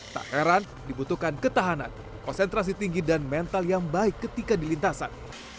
tak heran dibutuhkan ketahanan konsentrasi tinggi dan mental yang baik ketika di lintasan